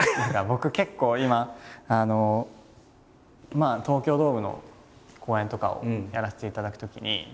まあ東京ドームの公演とかをやらせていただくときに自分で。